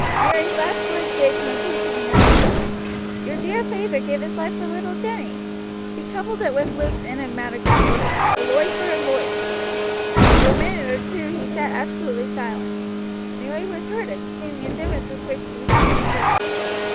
Mary's last words gave him a clue to the mystery "Your dear feyther gave his life for little Jenny." He coupled it with Luke's enigmatical words, "A loife for a loife." For a minute or two he sat absolutely silent. Mary was hurt at the seeming indifference with which he received the news.